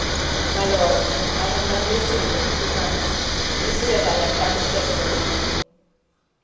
"My lord, I have known this secret two months; you see that I have kept it faithfully."